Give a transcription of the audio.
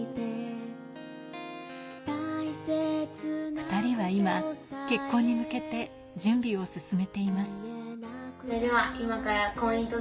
２人は今、結婚に向けて準備を進めています。